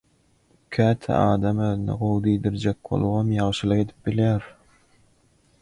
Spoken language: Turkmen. Käte adam özüne gowy diýdirjek bolubam ýagşylyk edip bilýär.